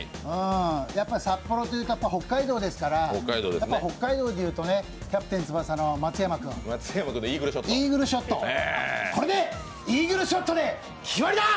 札幌というと北海道ですから北海道でいうと「キャプテン翼」の松山君のイーグルショット、イーグルショットで決まりだ！